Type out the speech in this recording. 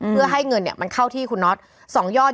เพื่อให้เงินมันเข้าที่คุณน็อต๒ยอด